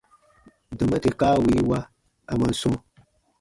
Dɔma tè kaa wii wa, a man sɔ̃: